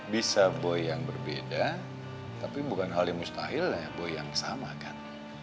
bisa boy yang berbeda tapi bukan hal yang mustahil lah ya boy yang sama kan